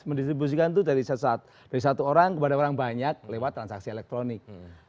mendistribusikan itu dari satu orang kepada orang banyak lewat transaksi elektronik